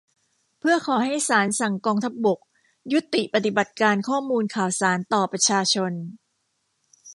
เพื่อขอให้ศาลสั่งกองทัพบกยุติปฏิบัติการข้อมูลข่าวสารต่อประชาชน